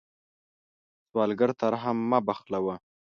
سوالګر ته رحم مه بخلوه